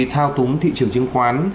thao túng thị trường chứng khoán